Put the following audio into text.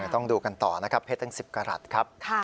ต้องดูกันต่อนะครับเพชรทั้ง๑๐กรัฐครับ